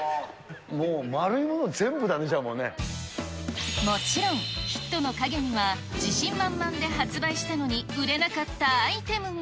もう、もちろん、ヒットの陰には自信満々で発売したのに、売れなかったアイテムも。